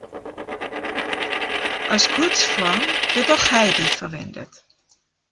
Als Kurzform wird auch Heidi verwendet.